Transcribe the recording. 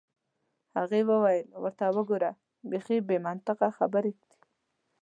هغې وویل: ورته وګوره، بیخي بې منطقه خبرې دي.